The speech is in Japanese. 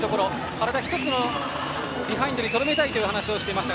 体１つのビハインドにとどめたいと話していました。